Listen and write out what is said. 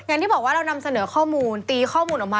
อย่างที่บอกว่าเรานำเสนอข้อมูลตีข้อมูลออกมา